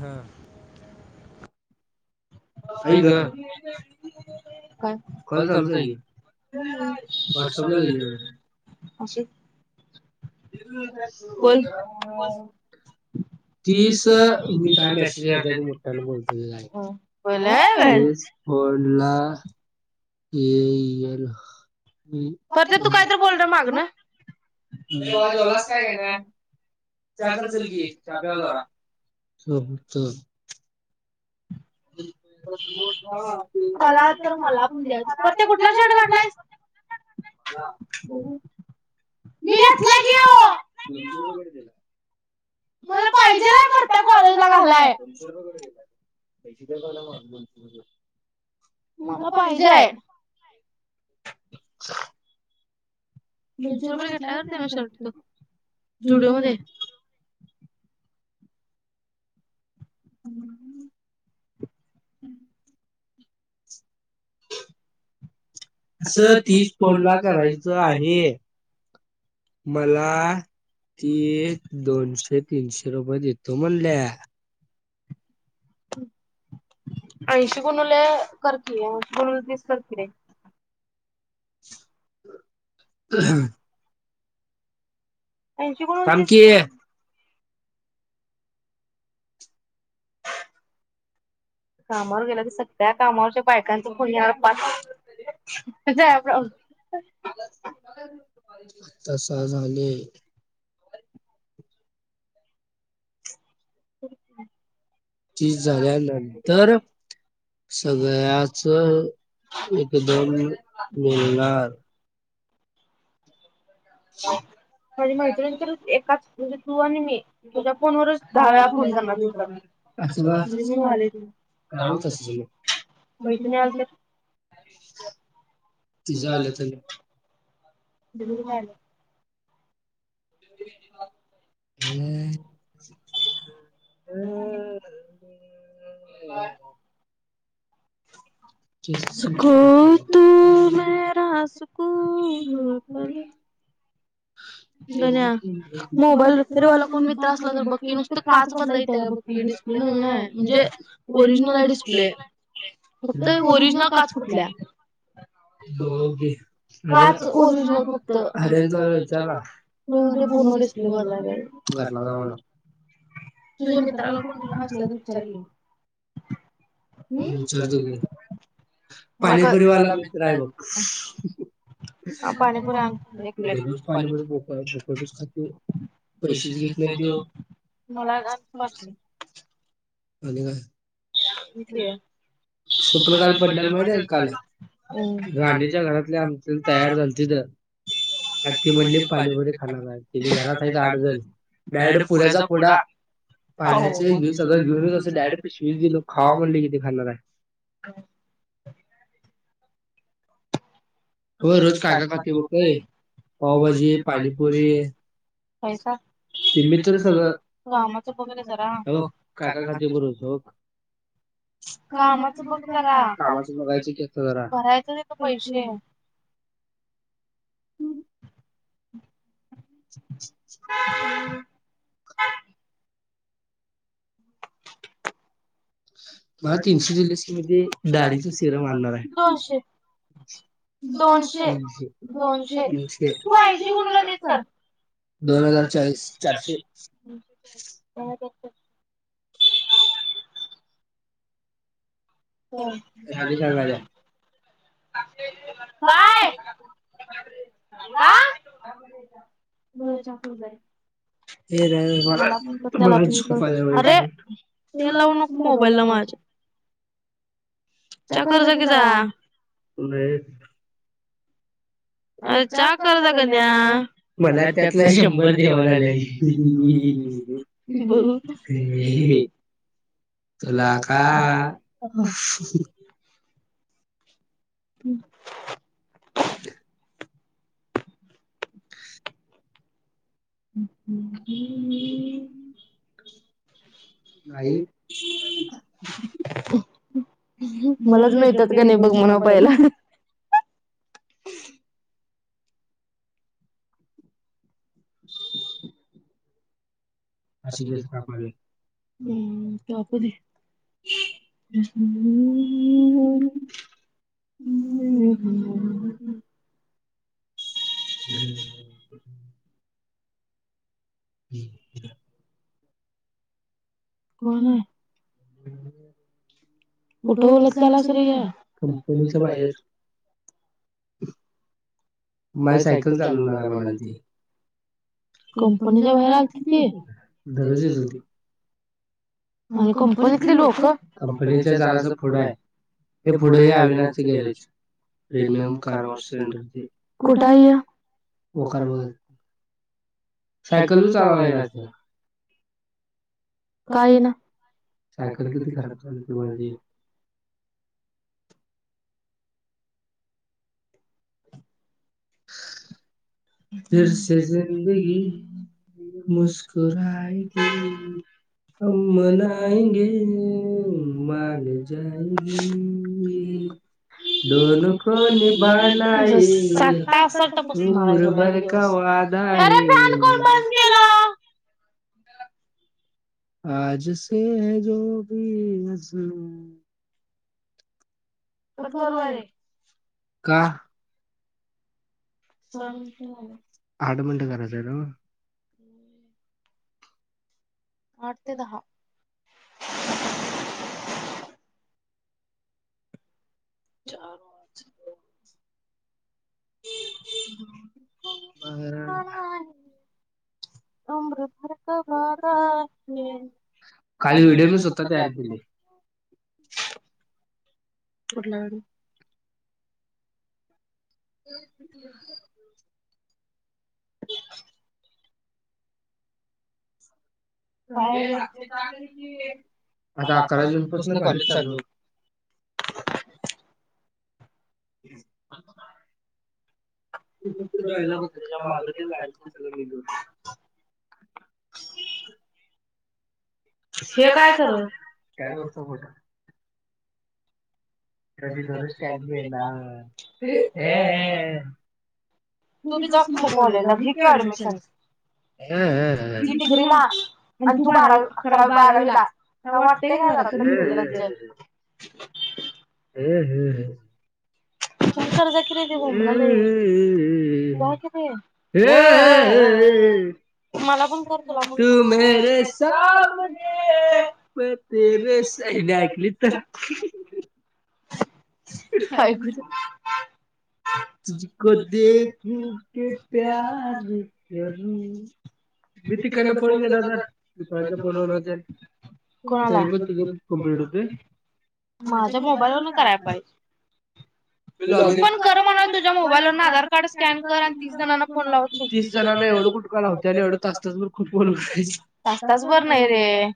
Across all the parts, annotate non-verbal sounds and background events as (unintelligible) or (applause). ह आई ग काय? कॉल चालूच आहे की, वॉटसअपला गेल तीच मी काय मेसेज करते ती मोठ्यानं बोलतेलेलं फोनला ये इ ए ल इ फक् तू काहीतरी फोल पण चालवणार ये भाव जेवलास काय नाय चहा करचल की चहा प्यावर जरा झोपतो (inaudible) कराल तर मला पण द्यायचं परते कुठला शर्ट घातला लाआयस बघू मी घेतलाय की ह्यो मला पाहिजेल हाय परत्या कॉलेजला घालाय माझं कॉलेज हाय दोनशे रुपये घेतला तेन शर्ट तो जुडिओ मध्ये (inaudible) असं तीस फोनला करायच आहे. मला ती दोनशे तीनशे रुपये देतो म्हनल्या. (unintelligible) ऐंशी गुणुले कर की ऐशी गुणुले तीस कर की (inaudible) (inaudible) हम ऐंशी गुणिले थांब की कामावर गेला तर सगळ्या कामावरच्या बायकांचा फोन येणार पाच् (unintelligible) (unintelligible) आत्ता सहा झाले (unintelligible) तीस झाल्यानंतर सगळ्याच एकदम मिळणार (unintelligible) शणजे तु आणि मी तुझ्या फोन वरच दहा वेळा फोन झाला दिवसातन आस झालं तर (unintelligible) तसचं तुझ आलं तर तुझ बी काढ (unintelligible) हम्म (inaudible) हम्म काय? (unintelligible) (unintelligible) गन्या मोबाईल रिपेरीवाला कोण मित्र असला तर बघ की, नुसत काच बदलाय येत्या काय बकी डिस्प्ले नविन आहे म्हणजे ओरिजनल आहे डिस्प्ले फक्त ओरिजनल काच फुटल्या बगाव की काच ओरिजनल फक्त अरिहंत वाला त्याला म्हणजे पूर्ण डिस्प्ले बदलायला पाहिजे घरला जा म्हणावं तुझ्या मित्राला विचार की विचारतो की पाणीपुरी वाला मित्र आहे बघ पाणीपुरी आण एक प्लेट पाणीपुरी काय रेपिअरी साठी की खातय पैसेच घेत नाही तेव आणि काय? स्वप्न काल पडलेला माहीत आहे का काल, ऊ राणीच्या घरातले आमच्या तयार झालतीत आत्ती म्हणली पाणीेपुरी खाणार आहे तिने घरात आहेत आठ जण डायरेक्ट पुऱ्याचा पुडा पाण्याचे हे सगंळ घेऊन असं डायरेक्ट पिशवी दिेलो खावा म्हणले किती खाणार आहे (inaudible) हो रोज काका काकी ब काय पावभाजी, पाणीपुरी, पैसा, ते मी तर सगळ, कामाच बघ रे जरा, य बघ काय काय खातोय बग, (unintelligible) कामाच बघ जरा, कामाचं बघायच, (unintelligible) तिथं पैसे हम्. मला तीनशे दिलीस की मी ते दाडीच सिरम आणणार आय, दोनशे दोनशे, तीनशे, दोनशे, तीनशे, तु ऐंशी गुणुले तीस कर, दोन हजार चाळीस चारशे (unintelligible) राणी सांगाल्या. (inaudible) काय आ? (unintelligible) च्या करू जाय, ये नाई मला पण कर, त्याला पण कर, अरे तेल लावू नको मोबाईल ला माझ्या च्या कर जा की जा, नई अरे च्या कर जा गन्या, मला त्यातला शंभर दे म्हणाल्या हिईईईईई (unintelligible) तुला खा हू. (unintelligible) हम्म. हम्म्म्म हू. ह नाई, मलाच माहिती आयत कणी बग म्हणावं पहिला (unintelligible) अशी केस कापालोय, उम कापुदे हम्म्म्मम्मम्मम उमहुहू्म्म्म्म्म्म्म् (unintelligible) (unintelligible) कोण आय? हमम्म्. कुठं उलतल्यालास र ह्य, कंपनीच्या बाहेर माइ सायकल चालवणार आय म्हणालती, कंपनीच्या बाहेर आलती ती, दररोज येत होती. आणि कंपनीतली लोक, कंपनीच्या जरास पुढं हाय, ते पुढं हे अविनाशच गॅरेज प्रीमियम कारवॉश सेंटर ते कुठ हाय य? वखार बागेत सायकल बी चालवाय ईना तिला का ईना? सायकल किती खराब झालती माहितीये (inaudible) ह (unintelligible) बस आता असा टपकनार आय घर का वादा है. फॅन कोन बंद केला? आजसे है जो (inaudible) का? आठ मिनट करायच आहे न्हव हम्म आठ ते दहा चार वाजले. (unintelligible) अमृत पाजा खालील व्हिडिओ मी स्वतः तयार केलेत कुठला व्हिडिओ? (unintelligible) आता अकरा जूनपासून कॉलेज चालू (unintelligible) आती फक्त डॉयलोग करती बा माझ तेत काहीच नाही. शे काय खर कॅरी वरचा फोटो कधी तरी स्टँड वर येणार, ये ये हे तूी बी जा की मग कॉलेजला घे की ऍडमिशन ती डिग्री ला आणि तू बारावी अकरावी बारावी ला काय वाटत का जरा तर निर्लज हम्म हम्म हम्म फोन कर जा की रे ते बोंबलालय जाय की ते मला फो तू मेरे सामने मै तेरे सायली एकलीस तर ही हाय तुझी कधी? यु के प्यार करू मी तिकडन फोन केला तर दुसऱ्यांच्या फोनवरन तेंन तरी पण तुझ कंप्लीट होतय, माझ्या मोबाईलवरून करायला पाहिजे मी लॉगिन तू कर म्हणालतो तुझ्या मोबाईलवरन आधार कार्ड स्कॅन कर आणि तीस जणांना फोन लावत सुट तास तास बर नाही रे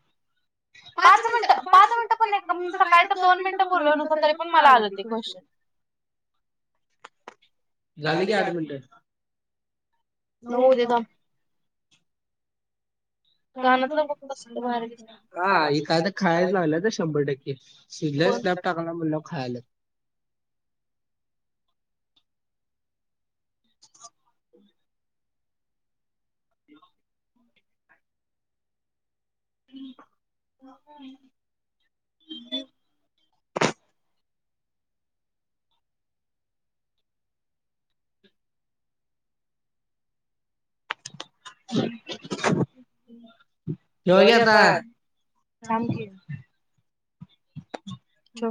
पाच मिनट पाच मिनट पण नाही रे सकाळच दोन मिनट बोललो तरी पण मला आलं ते क्वेश्चन झाले की आठ मिनटे होवू दे बा हा ही का तर खाया लागलेतच हां शंभर टक्के शिदध्या स्नॅप टाकालाय म्हणल्यावर खायाल्यात. (inaudible) (inaudible) (unintelligible) (unintelligible) (inaudible) ठेवा की आता, थांब की. ठेव